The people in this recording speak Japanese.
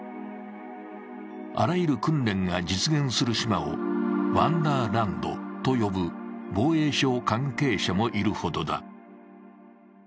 あらゆる訓練が実現する島をワンダーランドと呼ぶ防衛省関係者もいるほどだ。